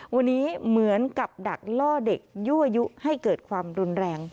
วันนี้เหมือนกับดักล่อเด็กยั่วยุให้เกิดความรุนแรง